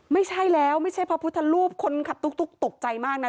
ไม่ใช่แล้วไม่ใช่พระพุทธรูปคนขับตุ๊กตกใจมากนะ